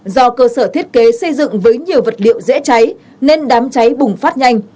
do cơ sở thiết kế xây dựng với nhiều vật liệu dễ cháy nên đám cháy bùng phát nhanh